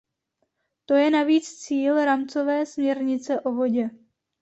To je navíc cíl rámcové směrnice o vodě.